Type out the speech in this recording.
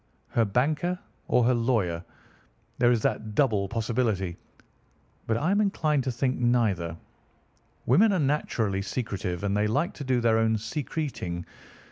"Her banker or her lawyer. There is that double possibility. But I am inclined to think neither. Women are naturally secretive, and they like to do their own secreting.